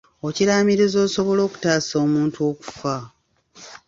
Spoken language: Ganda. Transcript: Okiraamiriza osobole okutaasa omuntu okufa.